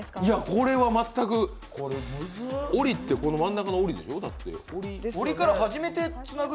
これは全く、おりってこの真ん中のおりでしょ？